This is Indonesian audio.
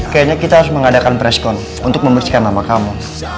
kayaknya kita harus mengadakan preskon untuk membersihkan nama kamu